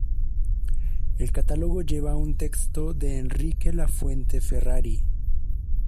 El catálogo lleva un texto de Enrique Lafuente Ferrari.